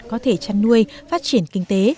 có thể chăn nuôi phát triển kinh tế